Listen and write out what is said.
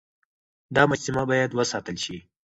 دا مجسمه بايد وساتل شي.